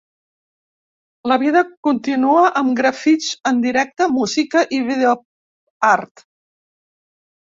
La vida continua amb grafits en directe, música i videoart.